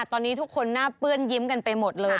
ตอนนี้ทุกคนหน้าเปื้อนยิ้มกันไปหมดเลย